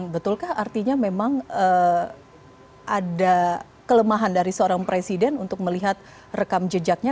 betulkah artinya memang ada kelemahan dari seorang presiden untuk melihat rekam jejaknya